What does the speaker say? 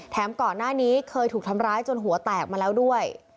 ก่อนหน้านี้เคยถูกทำร้ายจนหัวแตกมาแล้วด้วย